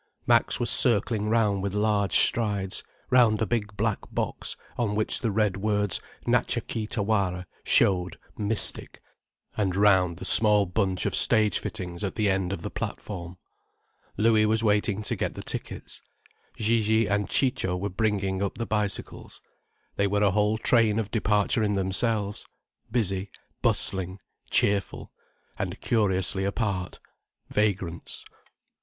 Max was circling round with large strides, round a big black box on which the red words Natcha Kee Tawara showed mystic, and round the small bunch of stage fittings at the end of the platform. Louis was waiting to get the tickets, Gigi and Ciccio were bringing up the bicycles. They were a whole train of departure in themselves, busy, bustling, cheerful—and curiously apart, vagrants.